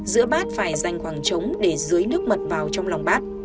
giữa bát phải dành khoảng trống để dưới nước mật vào trong lòng bát